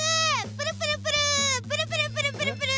プルプルプルプルプルプルプルプル。